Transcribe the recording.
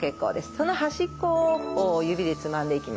その端っこをこう指でつまんでいきましょう。